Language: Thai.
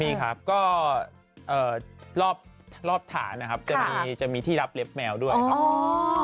มีครับก็รอบฐานนะครับจะมีที่รับเล็บแมวด้วยครับ